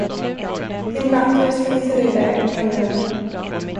Din butler ska visa dig vägen framöver.